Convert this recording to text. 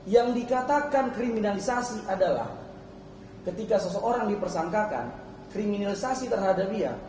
yang dikatakan kriminalisasi adalah ketika seseorang dipersangkakan kriminalisasi terhadap dia